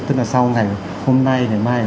tức là sau ngày hôm nay ngày mai